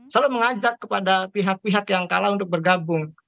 selalu mengajak kepada pihak pihak yang kalah untuk bergabung